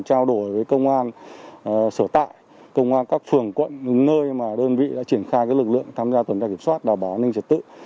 trao đổi với công an sở tại công an các phường quận nơi đơn vị đã triển khai lực lượng tham gia tuần tra kiểm soát đảm bảo an ninh trật tự